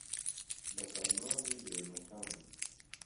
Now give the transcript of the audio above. به فهرمانی بێمەکان